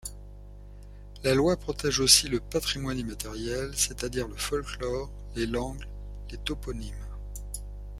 La loi protège aussi le patrimoine immatériel, c'est-à-dire le folklore, les langues, les toponymes...